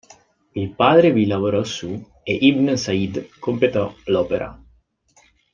Il padre vi lavorò su e Ibn Said completò l'opera.